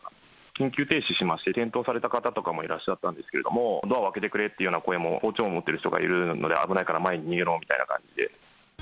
緊急停止しまして、転倒された方とかもいらっしゃったんですけれども、ドアを開けてくれっていうような声も包丁を持っている人がいるので危ないから前に逃げろみたいな感じで。